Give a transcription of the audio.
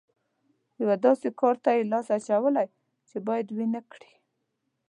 یوه داسې کار ته یې لاس اچولی چې بايد ويې نه کړي.